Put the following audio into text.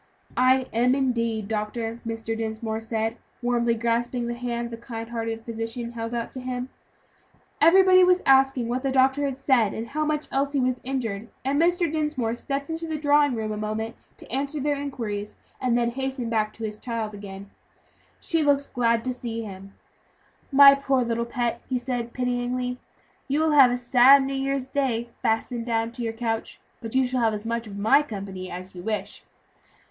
"I am, indeed, doctor," Mr. Dinsmore said, warmly grasping the hand the kind hearted physician held out to him. Everybody was asking what the doctor had said, and how much Elsie was injured, and Mr. Dinsmore stepped into the drawing room a moment to answer their inquiries, and then hastened back to his child again. She looked so glad to see him. "My poor little pet," he said, pityingly, "you will have a sad New Year's Day, fastened down to your couch; but you shall have as much of my company as you wish."